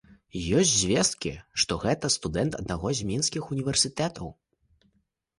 Ёсць звесткі, што гэта студэнт аднаго з мінскіх універсітэтаў.